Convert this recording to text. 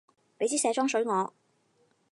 畀枝卸妝水我